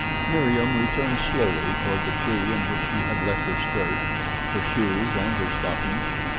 Meriem returned slowly toward the tree in which she had left her skirt, her shoes and her stockings.